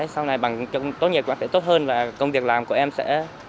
sau này bằng tốt nghiệp của em sẽ tốt hơn và công việc làm của em sẽ